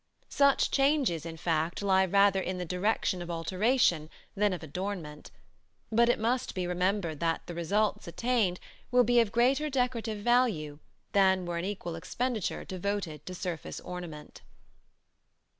Such changes, in fact, lie rather in the direction of alteration than of adornment; but it must be remembered that the results attained will be of greater decorative value than were an equal expenditure devoted to surface ornament.